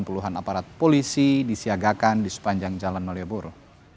puluhan aparat polisi disiagakan di sepanjang jalan malioboro